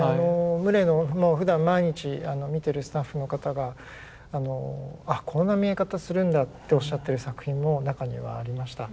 牟礼のふだん毎日見てるスタッフの方が「あこんな見え方するんだ」っておっしゃってる作品も中にはありました。